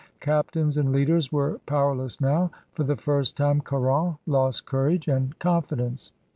Captains and leaders were power less now. For the first time Caron lost courage and confidence.